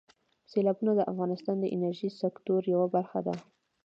سیلابونه د افغانستان د انرژۍ سکتور یوه برخه ده.